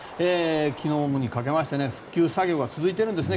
昨日にから復旧作業が続いているんですね。